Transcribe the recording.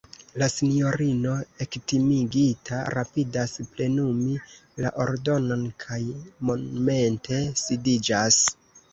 La sinjorino ektimigita rapidas plenumi la ordonon kaj momente sidiĝas.